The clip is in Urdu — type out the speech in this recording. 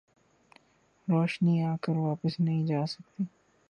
روشنی آکر واپس نہیں جاسکتی